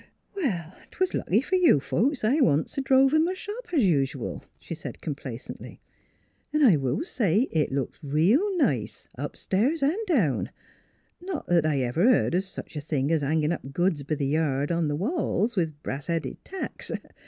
" Well, 'twas lucky f r you folks I waVt so drove in m' shop es usual," she said complacently. " 'N' I will say it looks reel nice, upstairs 'n' down, not 'at I ever heerd o' sech a thing es hangin' up goods b' th' yard on th' walls with brass headed tacks.